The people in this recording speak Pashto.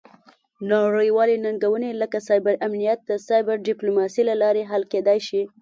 نړیوالې ننګونې لکه سایبر امنیت د سایبر ډیپلوماسي له لارې حل کیدی شي